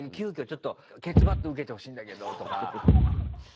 ちょっとケツバット受けてほしいんだけどとか。